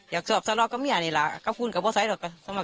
อยากสอบสะลองว่ากับแม่งนี่แหละก็คุ้นกับบ้าใสนกับเป็นกับเมีย